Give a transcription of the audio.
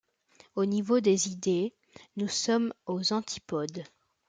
Au niveau des idées nous sommes aux antipodes.